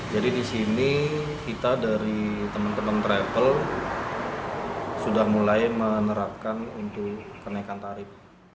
jadi disini kita dari teman teman travel sudah mulai menerapkan untuk kenaikan tarif